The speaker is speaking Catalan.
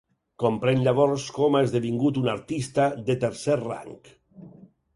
Comprèn llavors com ha esdevingut un artista de tercer rang.